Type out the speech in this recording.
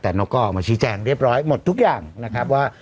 แต่นกก็ออกมาชี้แจงเรียบร้อยหมดทุกอย่างนะครับว่า